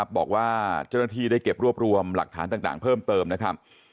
บอกว่าเจ้าหน้าที่ได้เก็บรวบรวมหลักฐานต่างเพิ่มเติมนะครับ